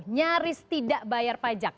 nyaris tidak bayar pajak